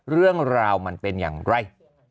เรื่องราวมันเป็นอย่างไร